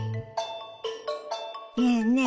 ねえねえ